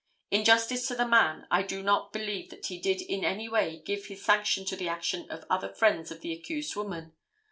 In justice to the man I do not believe that he did in any way give his sanction to the action of other friends of the accused woman.